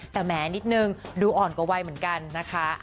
แต่แม้นิดนึงดูอ่อนกว่าวัยเหมือนกันนะคะ